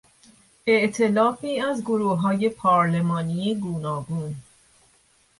ائتلافی از گروههای پارلمانی گوناگون